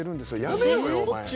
やめようよお前。